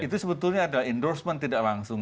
itu sebetulnya ada endorsement tidak langsung